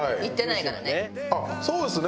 あっそうですね。